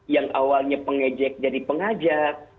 yang awalnya pengejek jadi pengajak